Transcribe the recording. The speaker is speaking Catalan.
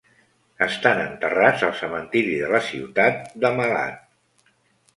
Estan enterrats al cementiri de la ciutat de Malad.